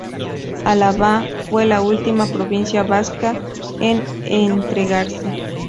Álava fue la última provincia vasca en entregarse.